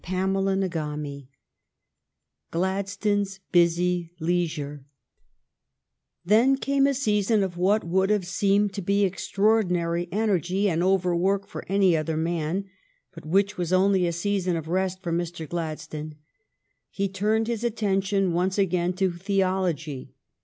CHAPTER XXXII Gladstone's busy leisure Then came a season of what would have seemed to be extraordinary energy and overwork for any other man, but which was only a season of rest for Mr. Gladstone. He turned his attention once again to theology.